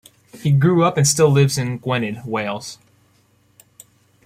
He grew up and still lives in Gwynedd, Wales.